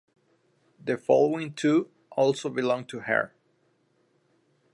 The following two also belong to her.